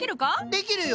できるよ。